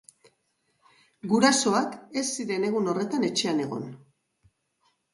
Gurasoak ez ziren egun horretan etxean egon.